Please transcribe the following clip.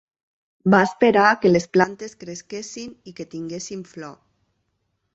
Va esperar que les plantes cresquessin i que tinguessin flor.